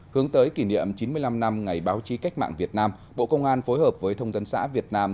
hướng tới kỷ niệm chín mươi năm năm ngày báo chí cách mạng việt nam bộ công an phối hợp với thông tấn xã việt nam